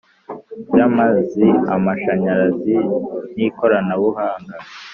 By amazi amashanyarazi n ikorabuhanga